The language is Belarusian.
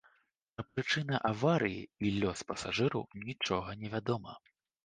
Пра прычыны аварыі і лёс пасажыраў, нічога невядома.